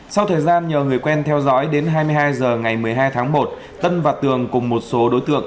sau thời gian nhờ người quen theo dõi đến hai mươi hai h ngày một mươi hai tháng một tân và tường cùng một số đối tượng